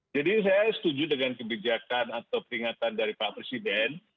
jadi saya setuju dengan kebijakan atau peringatan dari pak presiden